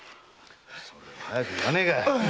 それを早く言わねえか。